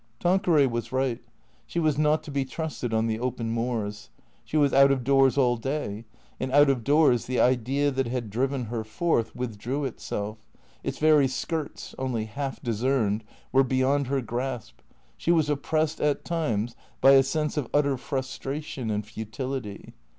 Tanqueray was right. She was not to be trusted on the open moors. She was out of doors all day. And out of doors the Idea that had driven her forth withdrew itself. Its very skirts, only half discerned, were beyond her grasp. She was oppressed at times by a sense of utter frustration and futility.